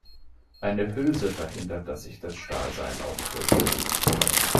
Eine Hülse verhindert, dass sich das Stahlseil aufdröselt.